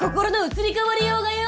移り変わりようがよ！